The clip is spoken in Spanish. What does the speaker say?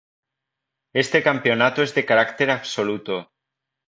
Este campeonato es de carácter absoluto.